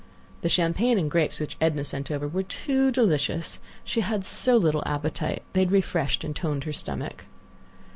The champagne and grapes which Edna sent over were too delicious. She had so little appetite; they had refreshed and toned her stomach.